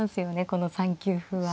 この３九歩は。